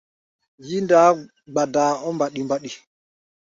Yí-ndaá gbadaa ɔ́ mbaɗi-mbaɗi.